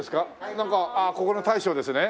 なんかここの大将ですね。